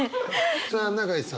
さあ永井さん